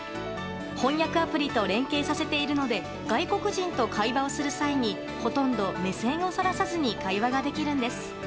翻訳アプリと連携させているので外国人と会話をする際にほとんど目線をそらさずに会話ができるんです。